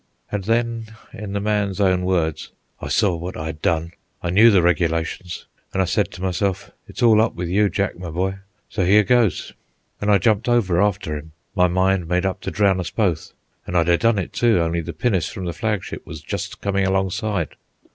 And then, in the man's own words: "I saw what I had done. I knew the Regulations, and I said to myself, 'It's all up with you, Jack, my boy; so here goes.' An' I jumped over after him, my mind made up to drown us both. An' I'd ha' done it, too, only the pinnace from the flagship was just comin' alongside.